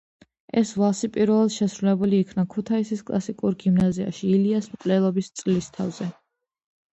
ეს ვალსი პირველად შესრულებული იქნა ქუთაისის კლასიკურ გიმნაზიაში ილიას მკვლელობის წლისთავზე.